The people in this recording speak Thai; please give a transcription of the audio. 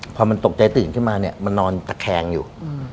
พอมันตกใจตื่นขึ้นมาเนี่ยมันนอนตะแคงอยู่